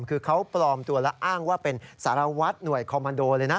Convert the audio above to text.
คือเขาปลอมตัวและอ้างว่าเป็นสารวัตรหน่วยคอมมันโดเลยนะ